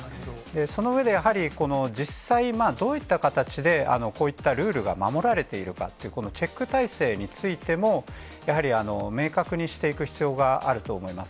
その上で、やはりこの実際、どういった形で、こういったルールが守られているかっていう、このチェック体制についても、やはり明確にしていく必要があると思います。